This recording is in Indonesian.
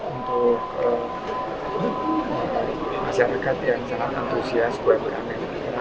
untuk masyarakat yang sangat antusias berani